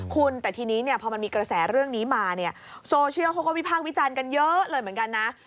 คุณแต่ทีนี้พอมันมีกระแสเรื่องนี้มาโซเชียลเขาก็วิภาควิจันทร์กันเยอะเลยเหมือนกันนะ